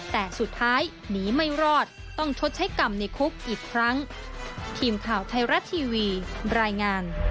แต่สุดท้ายหนีไม่รอดต้องชดใช้กรรมในคุกอีกครั้ง